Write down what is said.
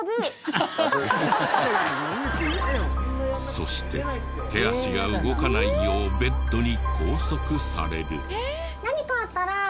そして手足が動かないようベッドに拘束される。